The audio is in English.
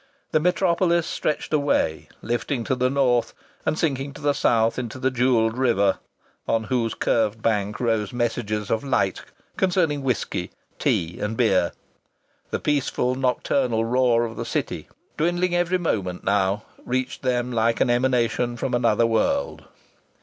The Metropolis stretched away, lifting to the north, and sinking to the south into the jewelled river on whose curved bank rose messages of light concerning whisky, tea and beer. The peaceful nocturnal roar of the city, dwindling every moment now, reached them like an emanation from another world.